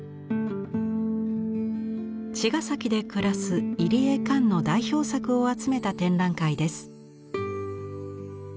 茅ヶ崎で暮らす入江観の代表作を集めた展覧会です。